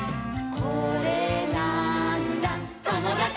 「これなーんだ『ともだち！』」